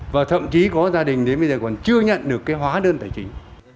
và thậm chí có gia đình đến bây giờ còn chưa nhận được cái hóa đơn tài chính